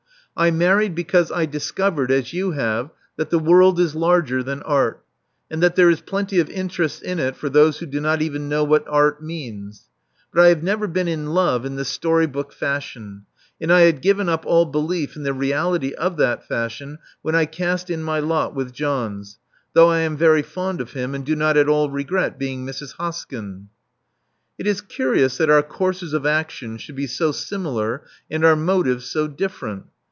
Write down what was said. I married because I discovered, as you have, that the world is larger than Art, and that there is plenty of interest in it for those who do not even know what Art means. But I have never been in love in the story book fashion : and I had given up all belief in the reality of that fashion when I cast in my lot with John's, though I am very fond of him, and do not at all regret being Mrs. Hoskyn. " It is curious that our courses of action should be so similar and our motives so different!